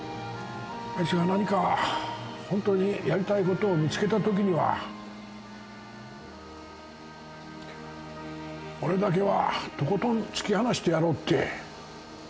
あいつが何か本当にやりたいことを見つけたときには俺だけはとことん突き放してやろうって